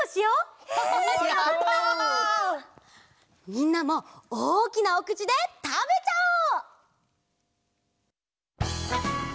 みんなもおおきなおくちでたべちゃおう！